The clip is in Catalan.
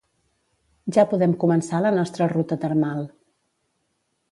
ja podem començar la nostra ruta termal